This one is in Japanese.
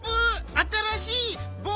あたらしいぼうし？